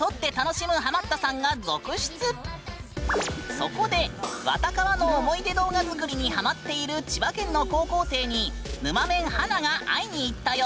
そこで「わたかわ」の思い出動画づくりにハマっている千葉県の高校生にぬまメン華が会いに行ったよ！